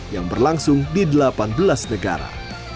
yang berlangsung di delapan belas negara